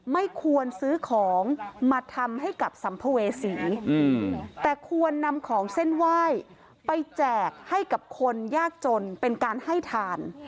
ไม่ควรซื้อของมาทำให้กับสัมภเวษีแต่ควรนำของเส้นไหว้ไปแจกให้กับคนยากจนเป็นการให้ทาน